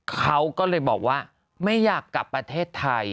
เขาก็เลยบอกว่าไม่อยากกลับประเทศไทย